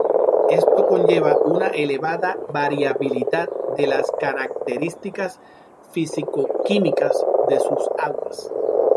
Esto conlleva una elevada variabilidad de las características físico-químicas de sus aguas.